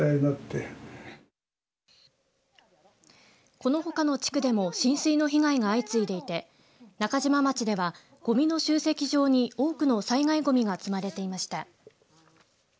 このほかの地区でも浸水の被害が相次いでいて中島町ではごみの集積場に多くの災害ごみが積まれていました。